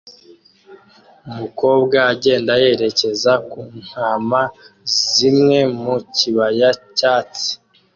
Umukobwa agenda yerekeza ku ntama zimwe mu kibaya cyatsi